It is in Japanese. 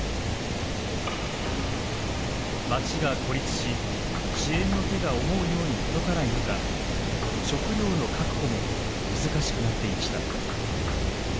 街が孤立し支援の手が思うように届かない中食糧の確保も難しくなっていました。